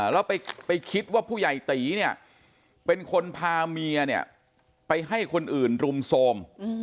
แล้วไปคิดว่าผู้ใหญ่ตีเนี่ยเป็นคนพาเมียเนี่ยไปให้คนอื่นรุมโทรม